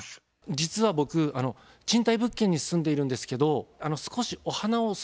実は僕賃貸物件に住んでいるんですけど少しお花を育ててるんですよね